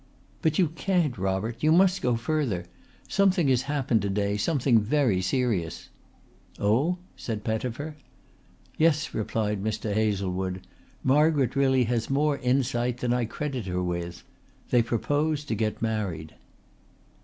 "But you can't, Robert. You must go further. Something has happened to day, something very serious." "Oh?" said Pettifer. "Yes," replied Mr. Hazlewood. "Margaret really has more insight than I credited her with. They propose to get married."